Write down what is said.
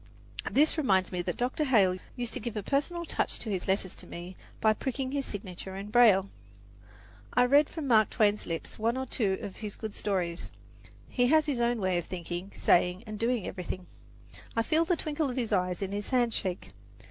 This reminds me that Dr. Hale used to give a personal touch to his letters to me by pricking his signature in braille. I read from Mark Twain's lips one or two of his good stories. He has his own way of thinking, saying and doing everything. I feel the twinkle of his eye in his handshake.